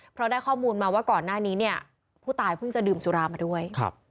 เพราะได้ข้อมูลมาว่าก่อนหน้านี้เนี่ยผู้ตายเพิ่งจะดื่มสุรามาด้วย